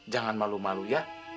jangan malu malu ya